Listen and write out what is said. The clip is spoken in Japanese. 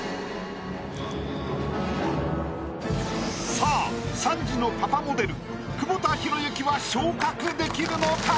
さあ３児のパパモデル久保田裕之は昇格できるのか？